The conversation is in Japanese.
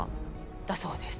だそうです。